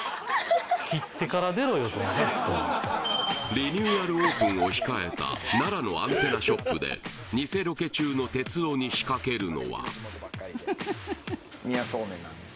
リニューアルオープンを控えた奈良のアンテナショップでニセロケ中の哲夫に仕掛けるのは三輪素麺なんです